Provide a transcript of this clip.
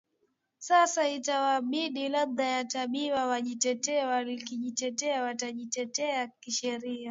sasa itawabidi labda yataambiwa wajitetee wakijitetea watajitetea kisheria